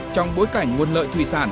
trong bối cảnh nguồn lợi thủy sản